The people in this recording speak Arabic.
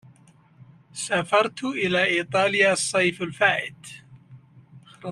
سافرت إلى إيطاليا الصيف الفائت.